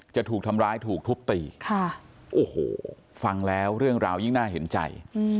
จะถูกทำร้ายถูกทุบตีโอ้โหฟังแล้วเรื่องราวยิ่งน่าเห็นใจ